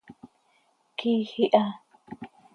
quiij iha.